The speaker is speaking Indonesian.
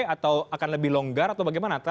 atau akan lebih longgar atau bagaimana